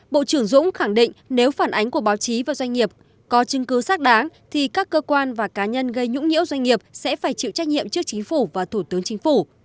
bộ trưởng dũng khẳng định nếu phản ánh của báo chí và doanh nghiệp có chứng cứ xác đáng thì các cơ quan và cá nhân gây nhũng nhiễu doanh nghiệp sẽ phải chịu trách nhiệm trước chính phủ và thủ tướng chính phủ